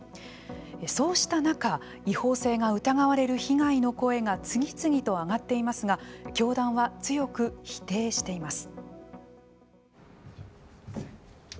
そうした中違法性が疑われる被害の声が次々と上がっていますが教団は強く否定しています。